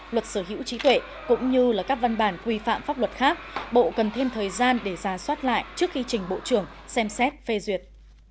luật sở hữu trí tuệ cũng như là các văn bản quy phạm pháp luật khác bộ cần thêm thời gian để ra soát lại trước khi trình bộ trưởng xem xét phê duyệt